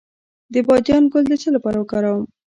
د بادیان ګل د څه لپاره وکاروم؟